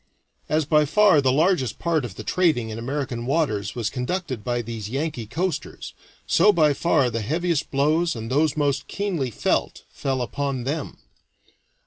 As by far the largest part of the trading in American waters was conducted by these Yankee coasters, so by far the heaviest blows, and those most keenly felt, fell upon them.